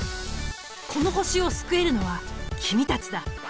この星を救えるのは君たちだ。